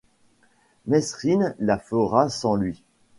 Mesrine la fera sans lui.